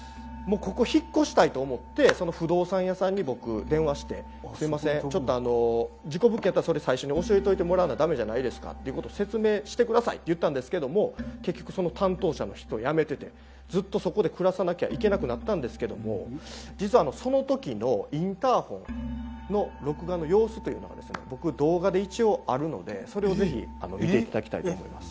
ここ引っ越したいと思って、不動産屋さんに僕、電話して、すいません、ちょっと事故物件やったら最初に教えてもらわないとだめじゃないですかと、説明してくださいと言ったんですけど、結局その担当者の人、辞めててそこで暮らさなきゃいけなくなったんですけど、実は、その時のインターホンの録画の様子、僕、動画で一応あるので、それをぜひ見ていただきたいです。